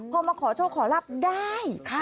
พอมาขอโชคขอรับได้